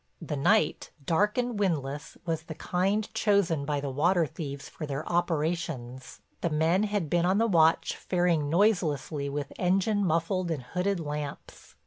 The night, dark and windless, was the kind chosen by the water thieves for their operations. The men had been on the watch faring noiselessly with engine muffled and hooded lamps.